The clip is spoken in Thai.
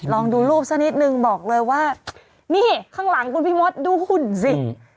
ลองดูรูปสักนิดนึงบอกเลยว่านี่ข้างหลังคุณพี่มดดูคุณสิ